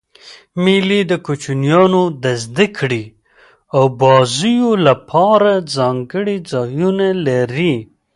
مېلې د کوچنيانو د زدهکړي او بازيو له پاره ځانګړي ځایونه لري.